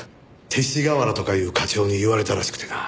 勅使河原とかいう課長に言われたらしくてな。